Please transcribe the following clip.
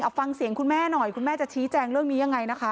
เอาฟังเสียงคุณแม่หน่อยคุณแม่จะชี้แจงเรื่องนี้ยังไงนะคะ